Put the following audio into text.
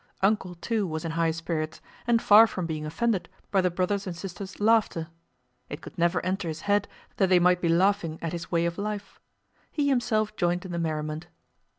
"Uncle" too was in high spirits and far from being offended by the brother's and sister's laughter (it could never enter his head that they might be laughing at his way of life) he himself joined in the merriment.